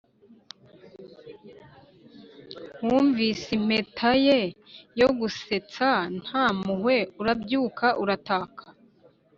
wumvise impeta ye yo gusetsa nta mpuhwe, urabyuka urataka;